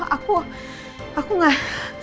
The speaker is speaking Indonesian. aku aku gak